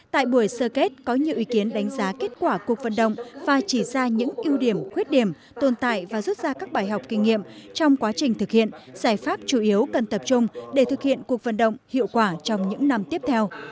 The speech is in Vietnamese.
tại buổi sơ kết có nhiều ý kiến đánh giá kết quả cuộc vận động và chỉ ra những ưu điểm khuyết điểm tồn tại và rút ra các bài học kinh nghiệm trong quá trình thực hiện giải pháp chủ yếu cần tập trung để thực hiện cuộc vận động hiệu quả trong những năm tiếp theo